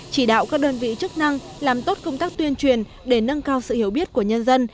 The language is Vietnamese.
chỉ đạo các đơn vị chức năng làm tốt công tác tuyên truyền để nâng cao sự hiểu biết của nhân dân